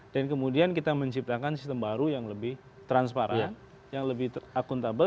dan kemudian kita menciptakan sistem baru yang lebih transparan yang lebih akuntabel